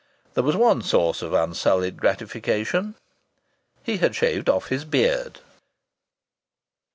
There was one source of unsullied gratification, he had shaved off his beard.